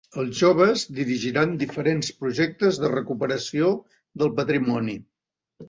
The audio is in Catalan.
Els joves dirigiran diferents projectes de recuperació del patrimoni.